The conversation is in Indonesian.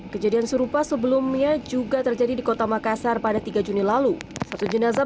kejadian serupa sebelumnya juga terjadi di kota makassar pada tiga juni lalu satu jenazah